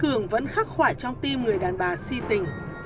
cường vẫn khắc khoải trong tim người đàn bà si tình